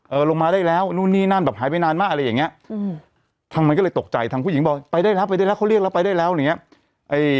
ลงมาได้แล้วนู่นนี่นั่นแบบหายไปนานมากอะไรอย่างเงี้ยอืมทางมันก็เลยตกใจทางผู้หญิงบอกไปได้รับไปได้แล้วเขาเรียกแล้วไปได้แล้วอะไรอย่างเงี้ย